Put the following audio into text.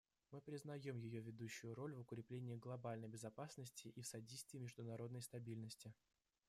Мы признаем ее ведущую роль в укреплении глобальной безопасности и в содействии международной стабильности.